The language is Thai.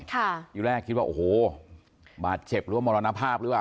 ทีแรกคิดว่าโอ้โหบาดเจ็บหรือว่ามรณภาพหรือเปล่า